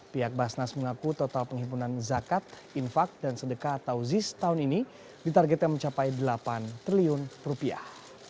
pihak basnas mengaku total penghimpunan zakat infak dan sedekah atau ziz tahun ini ditargetkan mencapai delapan triliun rupiah